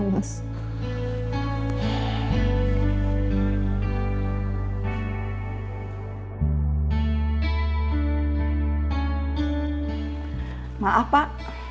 terus gue mau ke rumah